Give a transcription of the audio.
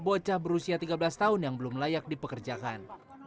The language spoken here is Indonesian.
bocah berusia tiga belas tahun yang belum layak dipekerjakan